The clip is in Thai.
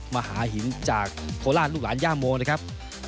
มหาหินจากโคราชลูกหลานย่าโมนะครับ